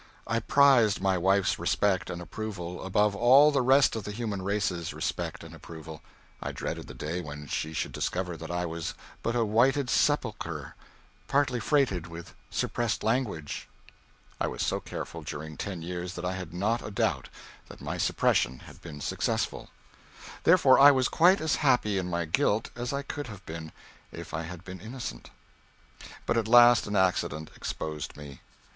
I prized my wife's respect and approval above all the rest of the human race's respect and approval. I dreaded the day when she should discover that I was but a whited sepulchre partly freighted with suppressed language. I was so careful, during ten years, that I had not a doubt that my suppressions had been successful. Therefore I was quite as happy in my guilt as I could have been if I had been innocent. But at last an accident exposed me.